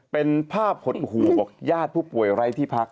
เป็นภาพหดหูอกญาติผู้ป่วยไร้ที่พัก